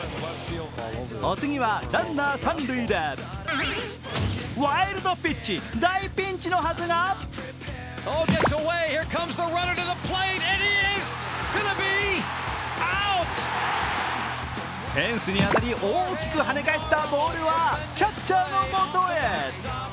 お次は、ランナー三塁でワイルドピッチ、大ピンチのはずがフェンスに当たり大きく跳ね返ったボールはキャッチャーのもとへ。